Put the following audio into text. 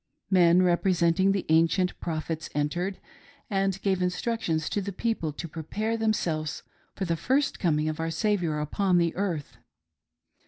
Men representing the ancient prophets entered, and gave instructions to the people to prepare themselves for the first coming of our Saviour upon earth.